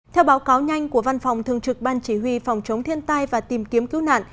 theo báo cáo nhanh của văn phòng thường trực ban chỉ huy phòng chống thiên tai và tìm kiếm cứu nạn